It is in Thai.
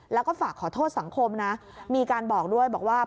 แล้วก็ฝากขอโทษสังคมนะมีการบอกด้วยบอกว่า